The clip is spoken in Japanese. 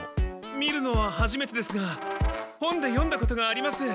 見るのははじめてですが本で読んだことがあります。